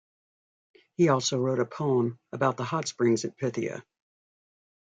He also wrote a poem about the hot springs at Pythia.